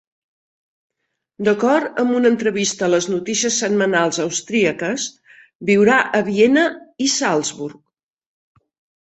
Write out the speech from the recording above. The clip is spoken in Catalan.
D'acord amb una entrevista a les notícies setmanals austríaques, viurà a Viena i Salzburg.